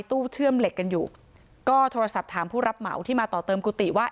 เชื่อมเหล็กกันอยู่ก็โทรศัพท์ถามผู้รับเหมาที่มาต่อเติมกุฏิว่า